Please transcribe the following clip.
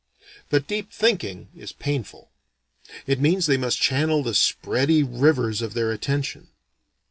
But deep thinking is painful. It means they must channel the spready rivers of their attention.